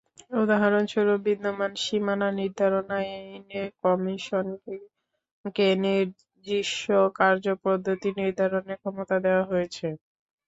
উদাহরণস্বরূপ বিদ্যমান সীমানা নির্ধারণ আইনে কমিশনকে নিজস্ব কার্যপদ্ধতি নির্ধারণের ক্ষমতা দেওয়া হয়েছে।